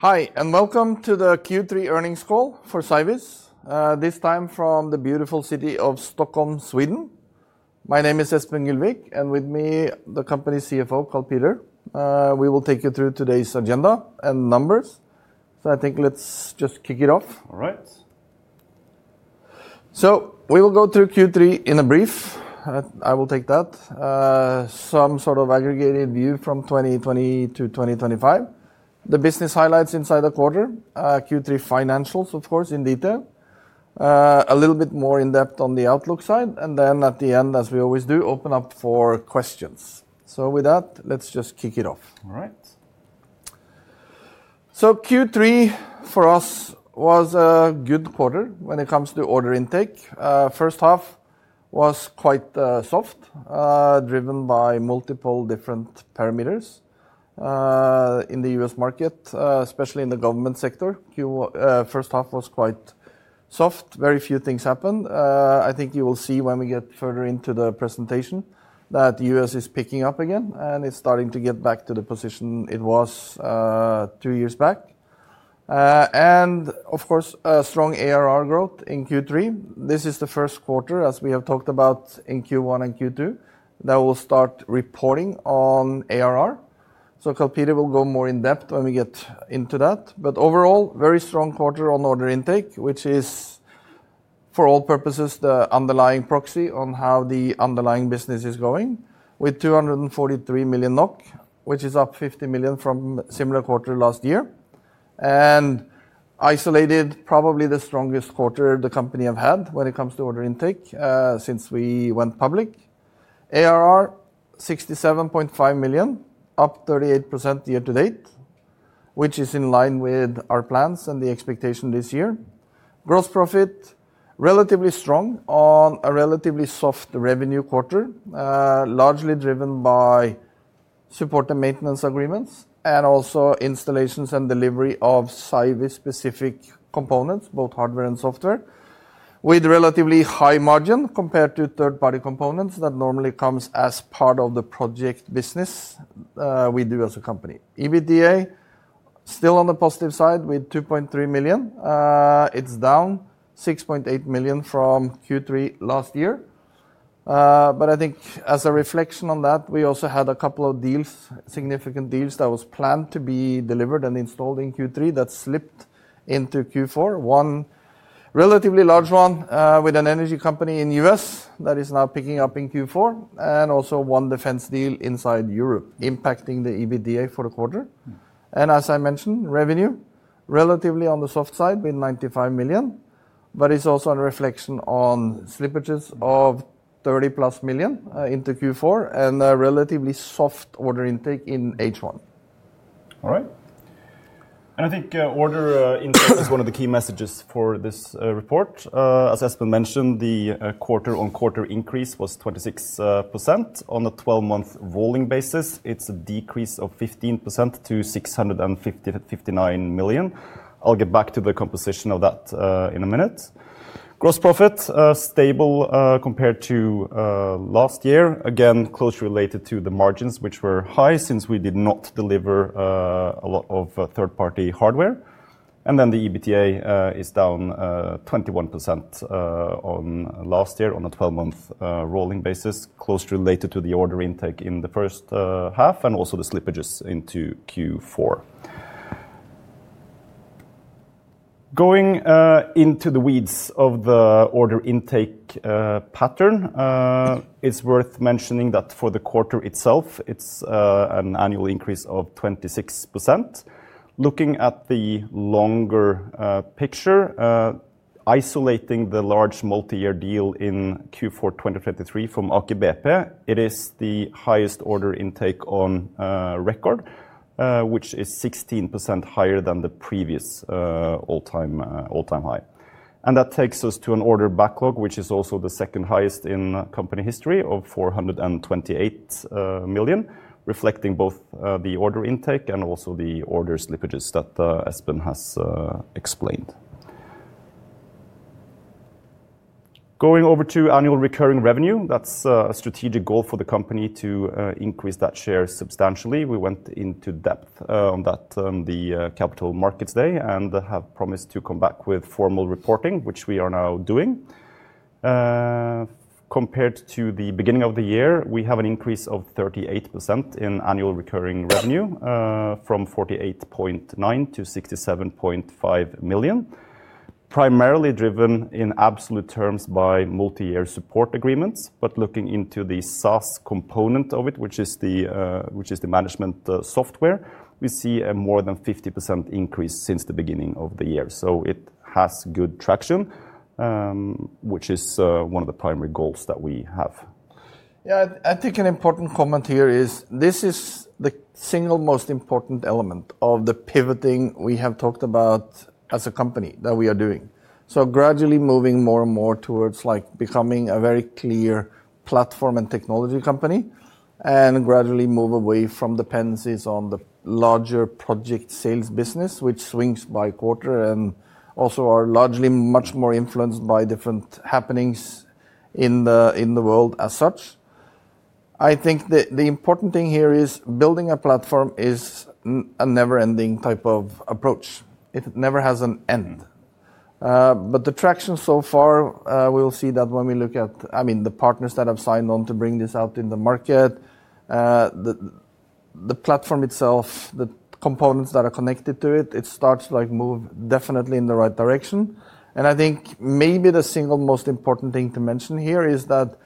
Hi, and welcome to the Q3 earnings call for Cyviz, this time from the beautiful city of Stockholm, Sweden. My name is Espen Gylvik, and with me, the company's CFO, Karl Peter. We will take you through today's agenda and numbers. I think let's just kick it off. All right. We will go through Q3 in a brief. I will take that. Some sort of aggregated view from 2020 to 2025. The business highlights inside the quarter, Q3 financials, of course, in detail. A little bit more in depth on the outlook side. Then at the end, as we always do, open up for questions. With that, let's just kick it off. All right. Q3 for us was a good quarter when it comes to order intake. First half was quite soft, driven by multiple different parameters in the U.S. market, especially in the government sector. First half was quite soft. Very few things happened. I think you will see when we get further into the presentation that the U.S. is picking up again, and it's starting to get back to the position it was two years back. Of course, strong ARR growth in Q3. This is the first quarter, as we have talked about in Q1 and Q2, that will start reporting on ARR. Karl Peter will go more in depth when we get into that. Overall, very strong quarter on order intake, which is, for all purposes, the underlying proxy on how the underlying business is going, with 243 million NOK, which is up 50 million from similar quarter last year. Isolated, probably the strongest quarter the company has had when it comes to order intake since we went public. ARR, 67.5 million, up 38% year-to-date, which is in line with our plans and the expectation this year. Gross profit, relatively strong on a relatively soft revenue quarter, largely driven by support and maintenance agreements, and also installations and delivery of Cyviz-specific components, both hardware and software, with relatively high margin compared to third-party components that normally come as part of the project business we do as a company. EBITDA, still on the positive side, with 2.3 million. It is down 6.8 million from Q3 last year. I think as a reflection on that, we also had a couple of deals, significant deals that were planned to be delivered and installed in Q3 that slipped into Q4. One relatively large one with an energy company in the U.S. that is now picking up in Q4, and also one defense deal inside Europe, impacting the EBITDA for the quarter. As I mentioned, revenue, relatively on the soft side, with 95 million, but it is also a reflection on slippages of 30 million+ into Q4, and a relatively soft order intake in H1. All right. I think order intake is one of the key messages for this report. As Espen mentioned, the quarter-on-quarter increase was 26%. On a 12-month rolling basis, it's a decrease of 15% to 659 million. I'll get back to the composition of that in a minute. Gross profit, stable compared to last year. Again, closely related to the margins, which were high since we did not deliver a lot of third-party hardware. The EBITDA is down 21% on last year on a 12-month rolling basis, closely related to the order intake in the first half, and also the slippages into Q4. Going into the weeds of the order intake pattern, it's worth mentioning that for the quarter itself, it's an annual increase of 26%. Looking at the longer picture, isolating the large multi-year deal in Q4 2023 from AKBP, it is the highest order intake on record, which is 16% higher than the previous all-time high. That takes us to an order backlog, which is also the second highest in company history of 428 million, reflecting both the order intake and also the order slippages that Espen has explained. Going over to annual recurring revenue, that's a strategic goal for the company to increase that share substantially. We went into depth on that on the Capital Markets Day and have promised to come back with formal reporting, which we are now doing. Compared to the beginning of the year, we have an increase of 38% in annual recurring revenue from 48.9 million to 67.5 million, primarily driven in absolute terms by multi-year support agreements. Looking into the SaaS component of it, which is the management software, we see a more than 50% increase since the beginning of the year. It has good traction, which is one of the primary goals that we have. Yeah. I think an important comment here is this is the single most important element of the pivoting we have talked about as a company that we are doing. Gradually moving more and more towards becoming a very clear platform and technology company, and gradually move away from dependencies on the larger project sales business, which swings by quarter, and also are largely much more influenced by different happenings in the world as such. I think the important thing here is building a platform is a never-ending type of approach. It never has an end. The traction so far, we'll see that when we look at, I mean, the partners that have signed on to bring this out in the market, the platform itself, the components that are connected to it, it starts to move definitely in the right direction. I think maybe the single most important thing to mention here is that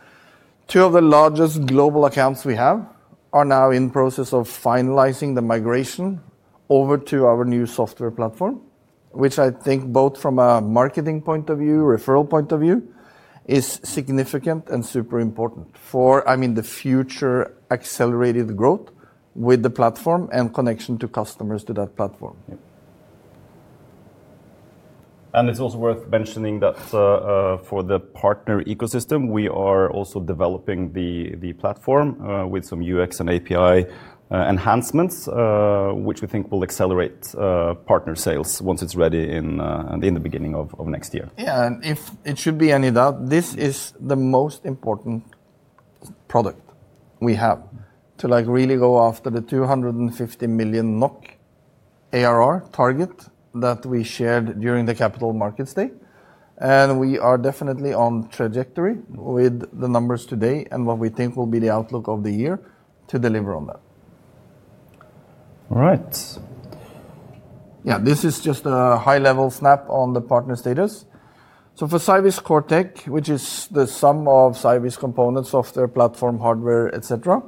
two of the largest global accounts we have are now in the process of finalizing the migration over to our new software platform, which I think both from a marketing point of view, referral point of view, is significant and super important for, I mean, the future accelerated growth with the platform and connection to customers to that platform. It is also worth mentioning that for the partner ecosystem, we are also developing the platform with some UX and API enhancements, which we think will accelerate partner sales once it is ready in the beginning of next year. Yeah. If it should be any doubt, this is the most important product we have to really go after the 250 million NOK ARR target that we shared during the Capital Markets Day. We are definitely on trajectory with the numbers today and what we think will be the outlook of the year to deliver on that. All right. Yeah, this is just a high-level snap on the partner status. For Cyviz Cortec, which is the sum of Cyviz components, software, platform, hardware, et cetera,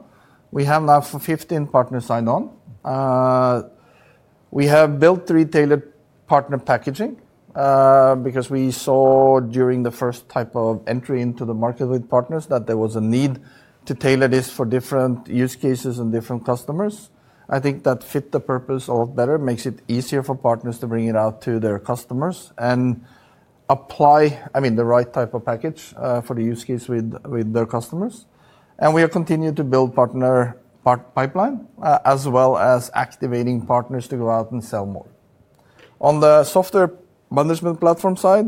we have now 15 partners signed on. We have built retailer partner packaging because we saw during the first type of entry into the market with partners that there was a need to tailor this for different use cases and different customers. I think that fit the purpose a lot better, makes it easier for partners to bring it out to their customers and apply, I mean, the right type of package for the use case with their customers. We are continuing to build partner pipeline, as well as activating partners to go out and sell more. On the Software Management Platform side,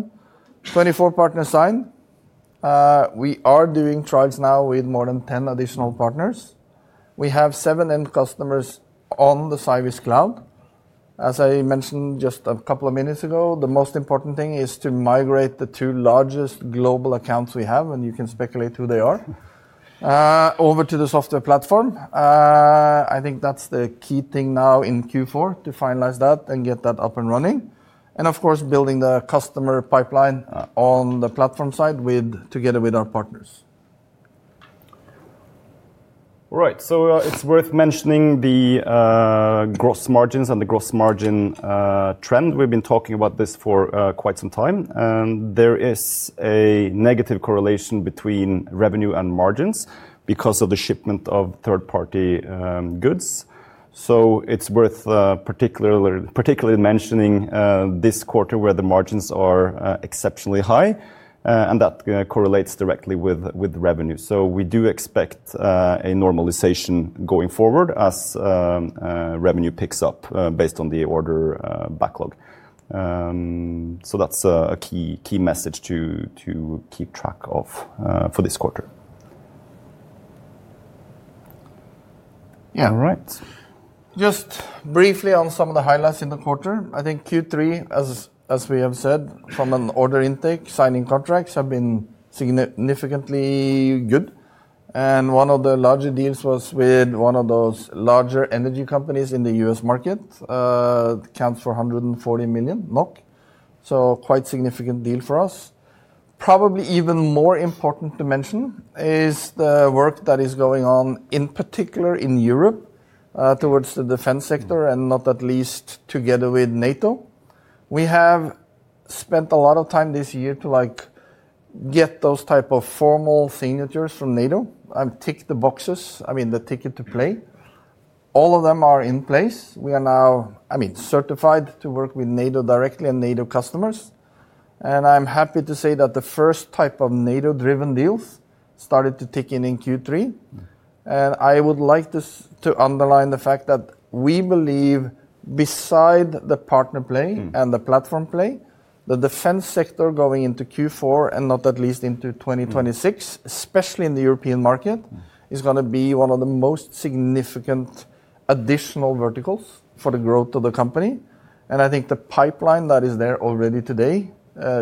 24 partners signed. We are doing trials now with more than 10 additional partners. We have seven end customers on the Cyviz Cloud. As I mentioned just a couple of minutes ago, the most important thing is to migrate the two largest global accounts we have, and you can speculate who they are, over to the software platform. I think that's the key thing now in Q4 to finalize that and get that up and running. Of course, building the customer pipeline on the platform side together with our partners. All right. It's worth mentioning the gross margins and the gross margin trend. We've been talking about this for quite some time. There is a negative correlation between revenue and margins because of the shipment of third-party goods. It's worth particularly mentioning this quarter where the margins are exceptionally high, and that correlates directly with revenue. We do expect a normalization going forward as revenue picks up based on the order backlog. That's a key message to keep track of for this quarter. Yeah. All right. Just briefly on some of the highlights in the quarter. I think Q3, as we have said, from an order intake, signing contracts have been significantly good. One of the larger deals was with one of those larger energy companies in the U.S. market. It accounts for 140 million NOK. Quite a significant deal for us. Probably even more important to mention is the work that is going on, in particular in Europe, towards the defense sector, and not at least together with NATO. We have spent a lot of time this year to get those types of formal signatures from NATO and tick the boxes, I mean, the ticket to play. All of them are in place. We are now, I mean, certified to work with NATO directly and NATO customers. I'm happy to say that the first type of NATO-driven deals started to tick in in Q3. I would like to underline the fact that we believe beside the partner play and the platform play, the defense sector going into Q4, and not at least into 2026, especially in the European market, is going to be one of the most significant additional verticals for the growth of the company. I think the pipeline that is there already today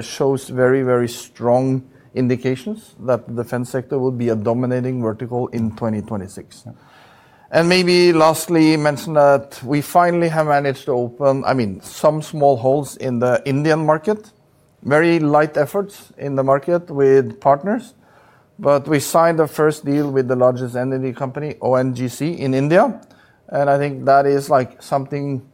shows very, very strong indications that the defense sector will be a dominating vertical in 2026. Maybe lastly, mention that we finally have managed to open, I mean, some small holes in the Indian market, very light efforts in the market with partners. We signed the first deal with the largest energy company, ONGC, in India. I think that is something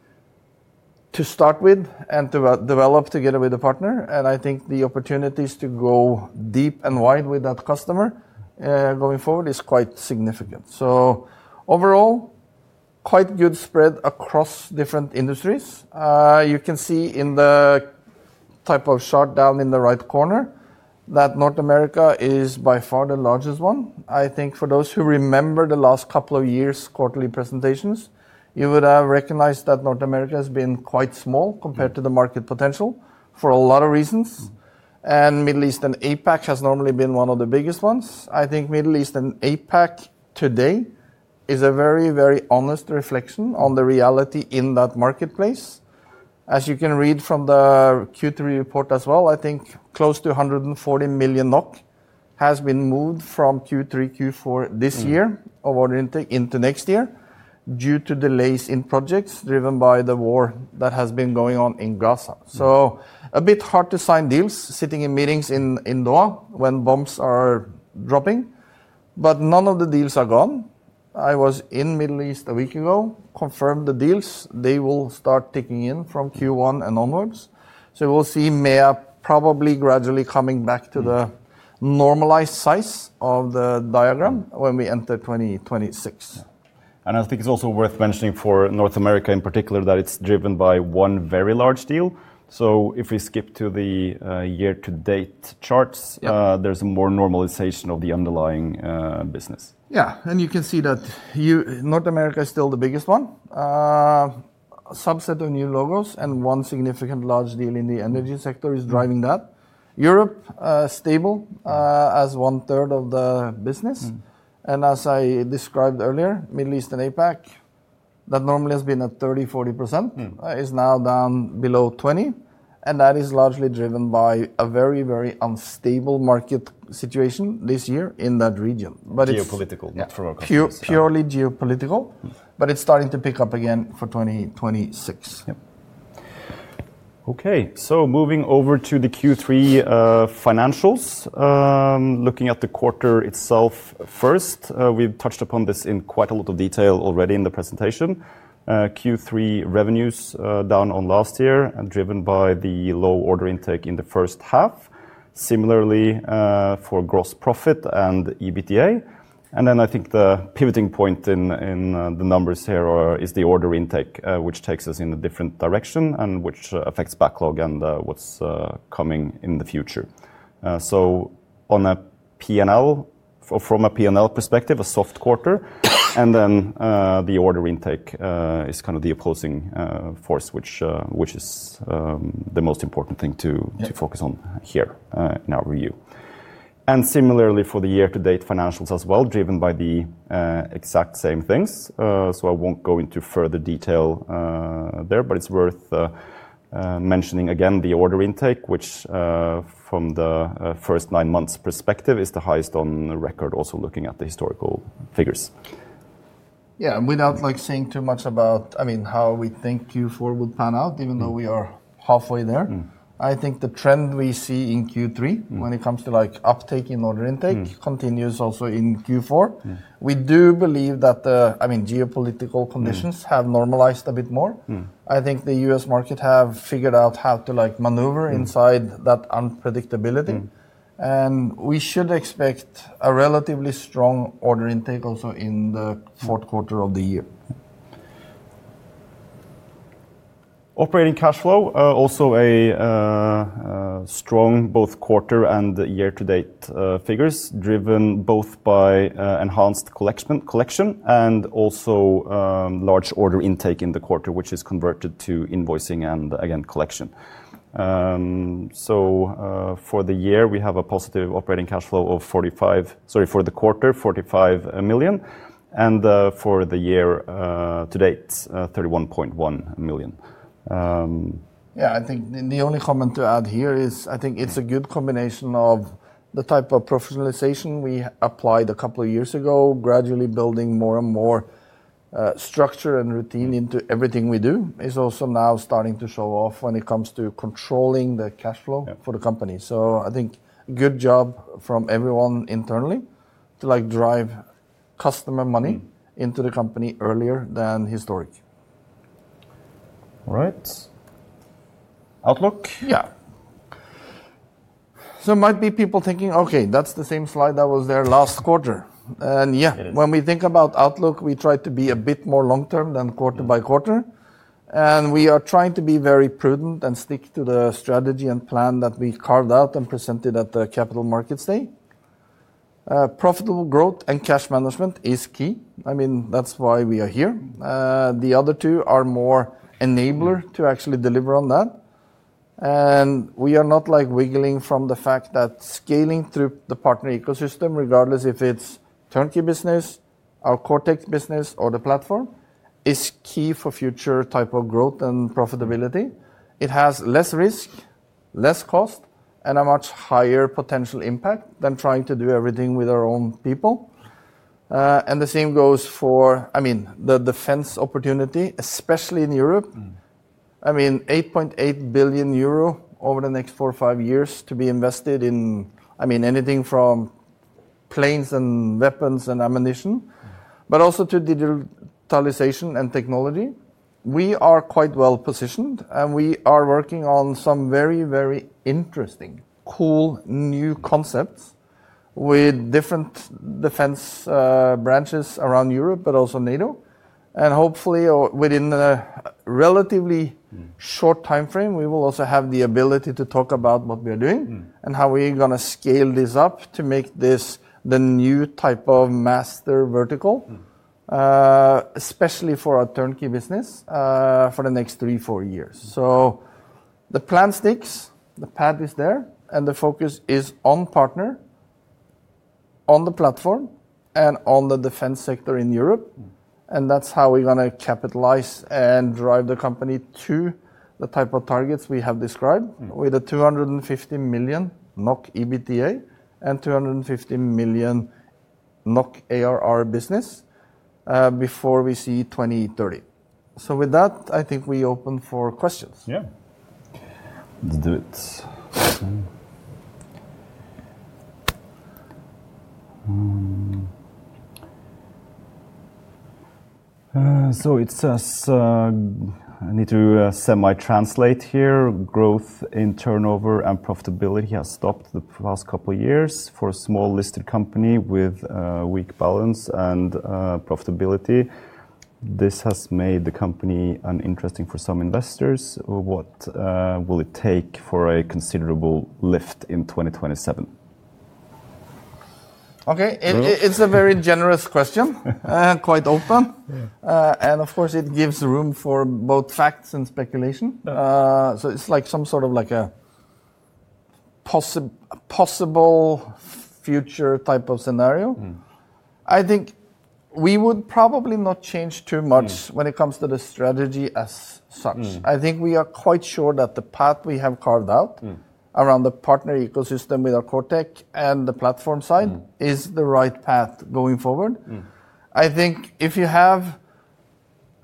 to start with and to develop together with a partner. I think the opportunities to go deep and wide with that customer going forward is quite significant. Overall, quite good spread across different industries. You can see in the type of shot down in the right corner that North America is by far the largest one. I think for those who remember the last couple of years' quarterly presentations, you would have recognized that North America has been quite small compared to the market potential for a lot of reasons. Middle East and APAC has normally been one of the biggest ones. I think Middle East and APAC today is a very, very honest reflection on the reality in that marketplace. As you can read from the Q3 report as well, I think close to 140 million NOK has been moved from Q3, Q4 this year of order intake into next year due to delays in projects driven by the war that has been going on in Gaza. A bit hard to sign deals, sitting in meetings in Doha when bombs are dropping. None of the deals are gone. I was in Middle East a week ago, confirmed the deals. They will start ticking in from Q1 and onwards. We'll see MEA probably gradually coming back to the normalized size of the diagram when we enter 2026. I think it's also worth mentioning for North America in particular that it's driven by one very large deal. If we skip to the year-to-date charts, there's a more normalization of the underlying business. Yeah. You can see that North America is still the biggest one. A subset of new logos and one significant large deal in the energy sector is driving that. Europe is stable as one-third of the business. As I described earlier, Middle East and APAC, that normally has been at 30-40%, is now down below 20%. That is largely driven by a very, very unstable market situation this year in that region. Geopolitical, not for our customers. Purely geopolitical. It is starting to pick up again for 2026. Yep. Okay. Moving over to the Q3 financials, looking at the quarter itself first. We've touched upon this in quite a lot of detail already in the presentation. Q3 revenues down on last year and driven by the low order intake in the first half. Similarly for gross profit and EBITDA. I think the pivoting point in the numbers here is the order intake, which takes us in a different direction and which affects backlog and what's coming in the future. On a P&L, from a P&L perspective, a soft quarter. The order intake is kind of the opposing force, which is the most important thing to focus on here in our view. Similarly for the year-to-date financials as well, driven by the exact same things. I won't go into further detail there. It is worth mentioning again the order intake, which from the first nine months' perspective is the highest on record, also looking at the historical figures. Yeah. Without saying too much about, I mean, how we think Q4 would pan out, even though we are halfway there, I think the trend we see in Q3 when it comes to uptake in order intake continues also in Q4. We do believe that, I mean, geopolitical conditions have normalized a bit more. I think the U.S. market has figured out how to maneuver inside that unpredictability. We should expect a relatively strong order intake also in the fourth quarter of the year. Operating cash flow, also a strong both quarter and year-to-date figures, driven both by enhanced collection and also large order intake in the quarter, which is converted to invoicing and, again, collection. For the quarter, we have a positive operating cash flow of 45 million. For the year-to-date, 31.1 million. Yeah. I think the only comment to add here is I think it's a good combination of the type of professionalization we applied a couple of years ago, gradually building more and more structure and routine into everything we do, is also now starting to show off when it comes to controlling the cash flow for the company. I think a good job from everyone internally to drive customer money into the company earlier than historic. All right. Outlook? Yeah. It might be people thinking, "Okay, that's the same slide that was there last quarter." Yeah, when we think about outlook, we try to be a bit more long-term than quarter-by-quarter. We are trying to be very prudent and stick to the strategy and plan that we carved out and presented at the Capital Markets Day. Profitable growth and cash management is key. I mean, that's why we are here. The other two are more enabler to actually deliver on that. We are not wiggling from the fact that scaling through the partner ecosystem, regardless if it's turnkey business, our Cortec business, or the platform, is key for future type of growth and profitability. It has less risk, less cost, and a much higher potential impact than trying to do everything with our own people. The same goes for, I mean, the defense opportunity, especially in Europe. I mean, 8.8 billion euro over the next four or five years to be invested in, I mean, anything from planes and weapons and ammunition, but also to digitalization and technology. We are quite well positioned. We are working on some very, very interesting, cool new concepts with different defense branches around Europe, but also NATO. Hopefully, within a relatively short time frame, we will also have the ability to talk about what we are doing and how we are going to scale this up to make this the new type of master vertical, especially for our turnkey business for the next three or four years. The plan sticks, the path is there, and the focus is on partner, on the platform, and on the defense sector in Europe. That is how we're going to capitalize and drive the company to the type of targets we have described with a 250 million NOK EBITDA and 250 million NOK ARR business before we see 2030. I think we open for questions. Yeah. Let's do it. So it says, I need to semi-translate here, growth in turnover and profitability has stopped the last couple of years for a small listed company with weak balance and profitability. This has made the company uninteresting for some investors. What will it take for a considerable lift in 2027? Okay. It's a very generous question, quite open. Of course, it gives room for both facts and speculation. It's like some sort of possible future type of scenario. I think we would probably not change too much when it comes to the strategy as such. I think we are quite sure that the path we have carved out around the partner ecosystem with our Cortec and the platform side is the right path going forward. I think if you have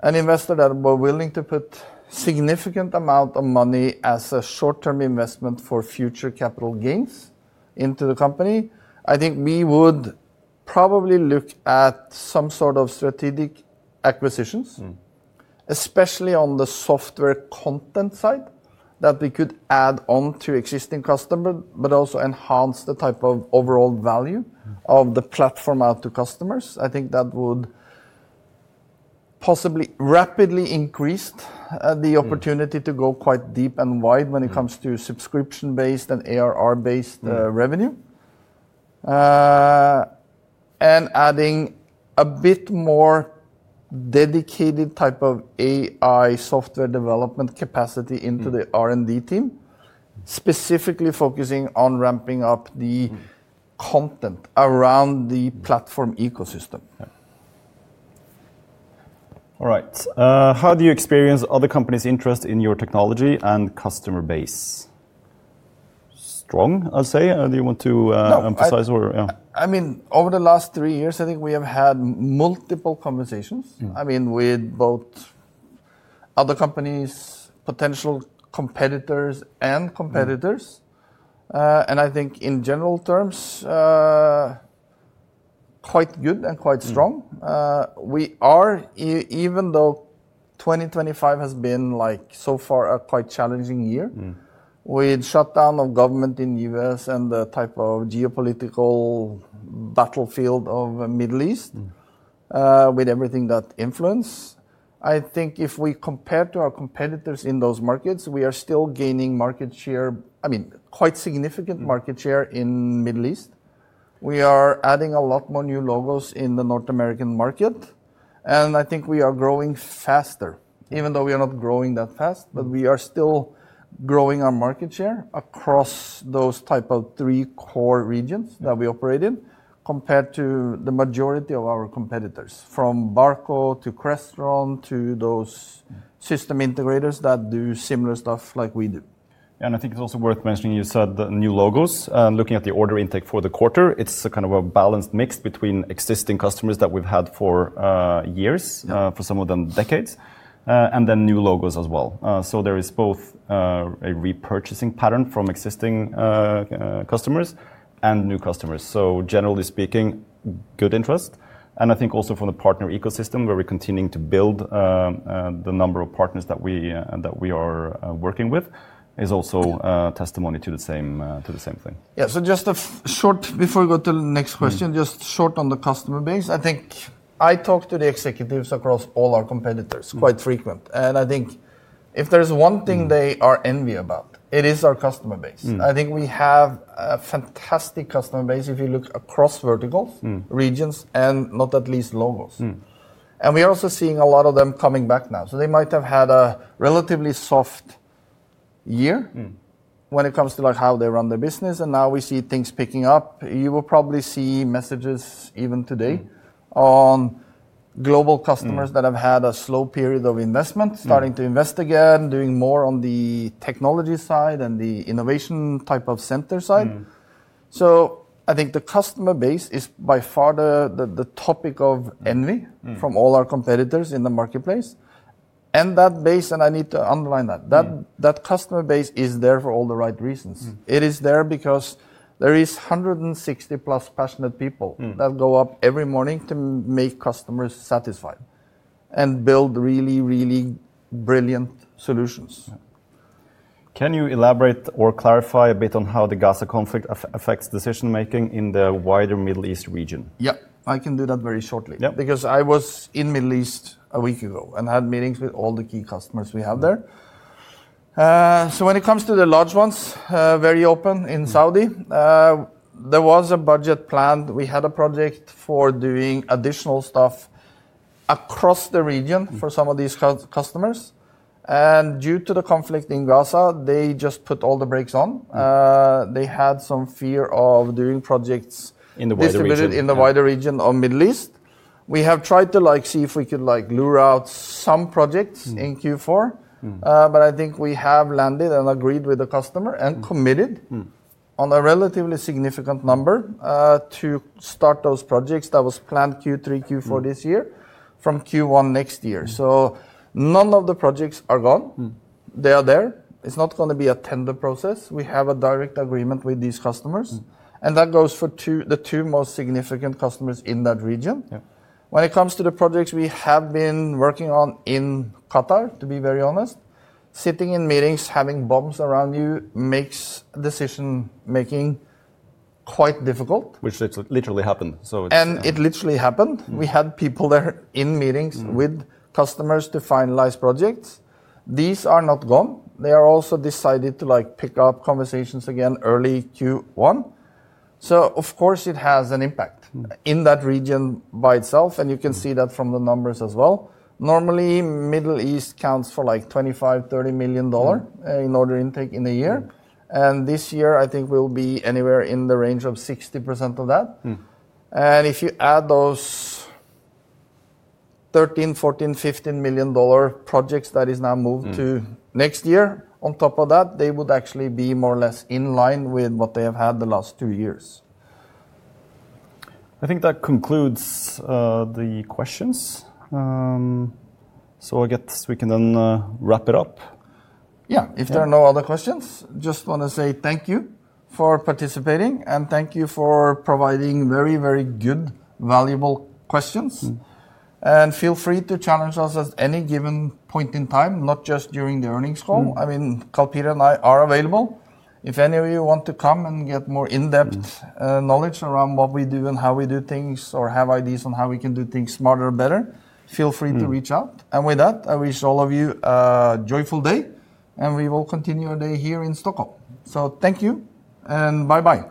an investor that were willing to put a significant amount of money as a short-term investment for future capital gains into the company, I think we would probably look at some sort of strategic acquisitions, especially on the software content side that we could add on to existing customers, but also enhance the type of overall value of the platform out to customers. I think that would possibly rapidly increase the opportunity to go quite deep and wide when it comes to subscription-based and ARR-based revenue. Adding a bit more dedicated type of AI software development capacity into the R&D team, specifically focusing on ramping up the content around the platform ecosystem. All right. How do you experience other companies' interest in your technology and customer base? Strong, I'll say. Do you want to emphasize or? I mean, over the last three years, I think we have had multiple conversations, I mean, with both other companies, potential competitors, and competitors. I think in general terms, quite good and quite strong. We are, even though 2025 has been so far a quite challenging year with shutdown of government in the U.S. and the type of geopolitical battlefield of the Middle East with everything that influences. I think if we compare to our competitors in those markets, we are still gaining market share, I mean, quite significant market share in the Middle East. We are adding a lot more new logos in the North American market. I think we are growing faster, even though we are not growing that fast, but we are still growing our market share across those type of three core regions that we operate in compared to the majority of our competitors from Barco to Crestron to those system integrators that do similar stuff like we do. Yeah. I think it's also worth mentioning you said new logos. Looking at the order intake for the quarter, it's kind of a balanced mix between existing customers that we've had for years, for some of them decades, and then new logos as well. There is both a repurchasing pattern from existing customers and new customers. Generally speaking, good interest. I think also from the partner ecosystem where we're continuing to build the number of partners that we are working with is also testimony to the same thing. Yeah. Just a short, before we go to the next question, just short on the customer base. I think I talk to the executives across all our competitors quite frequently. I think if there's one thing they are envious about, it is our customer base. I think we have a fantastic customer base if you look across verticals, regions, and not at least logos. We are also seeing a lot of them coming back now. They might have had a relatively soft year when it comes to how they run their business. Now we see things picking up. You will probably see messages even today on global customers that have had a slow period of investment, starting to invest again, doing more on the technology side and the innovation type of center side. I think the customer base is by far the topic of envy from all our competitors in the marketplace. That base, and I need to underline that, that customer base is there for all the right reasons. It is there because there are 160+ passionate people that go up every morning to make customers satisfied and build really, really brilliant solutions. Can you elaborate or clarify a bit on how the Gaza conflict affects decision-making in the wider Middle East region? Yeah. I can do that very shortly because I was in the Middle East a week ago and had meetings with all the key customers we have there. When it comes to the large ones, very open in Saudi, there was a budget planned. We had a project for doing additional stuff across the region for some of these customers. Due to the conflict in Gaza, they just put all the brakes on. They had some fear of doing projects distributed in the wider region of the Middle East. We have tried to see if we could lure out some projects in Q4. I think we have landed and agreed with the customer and committed on a relatively significant number to start those projects that were planned Q3, Q4 this year from Q1 next year. None of the projects are gone. They are there. It's not going to be a tender process. We have a direct agreement with these customers. That goes for the two most significant customers in that region. When it comes to the projects we have been working on in Qatar, to be very honest, sitting in meetings, having bombs around you makes decision-making quite difficult. Which literally happened. It literally happened. We had people there in meetings with customers to finalize projects. These are not gone. They also decided to pick up conversations again early Q1. Of course, it has an impact in that region by itself. You can see that from the numbers as well. Normally, the Middle East counts for like $25 million-$30 million in order intake in a year. This year, I think we will be anywhere in the range of 60% of that. If you add those $13 million-$15 million projects that have now moved to next year on top of that, they would actually be more or less in line with what they have had the last two years. I think that concludes the questions. I guess we can then wrap it up. Yeah. If there are no other questions, I just want to say thank you for participating. Thank you for providing very, very good, valuable questions. Feel free to challenge us at any given point in time, not just during the earnings call. I mean, Karl Peter and I are available. If any of you want to come and get more in-depth knowledge around what we do and how we do things or have ideas on how we can do things smarter or better, feel free to reach out. With that, I wish all of you a joyful day. We will continue our day here in Stockholm. Thank you. Bye-bye.